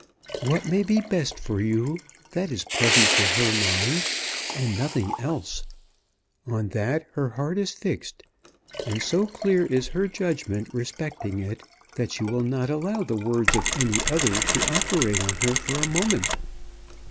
What may be best for you; that is present to her mind, and nothing else. On that her heart is fixed, and so clear is her judgment respecting it, that she will not allow the words of any other to operate on her for a moment.